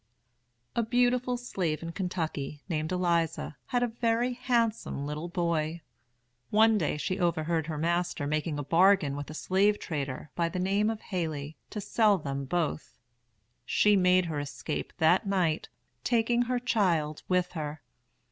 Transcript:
A beautiful slave in Kentucky, named Eliza, had a very handsome little boy. One day she overheard her master making a bargain with a slave trader by the name of Haley to sell them both. She made her escape that night, taking her child with her.